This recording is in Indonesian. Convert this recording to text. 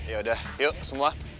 ya udah yuk semua